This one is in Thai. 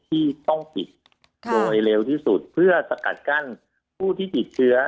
ที่ต้องปิดโดยเร็วที่สุดเพื่อสกัดกั้นผู้ที่ติดเชื้อ